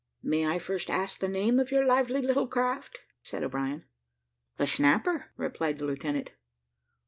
"May I first ask the name of your lively little craft?" said O'Brien. "The Snapper," replied the lieutenant.